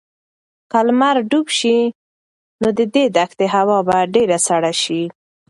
که لمر ډوب شي نو د دې دښتې هوا به ډېره سړه شي.